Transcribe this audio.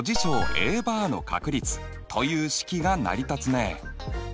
Ａバーの確率という式が成り立つね。